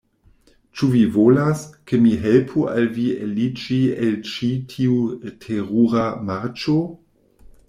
Ĉu vi volas, ke mi helpu al vi eliĝi el ĉi tiu terura marĉo?